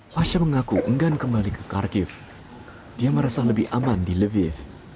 pasha mengaku enggan kembali ke karkiv dia merasa lebih aman di lviv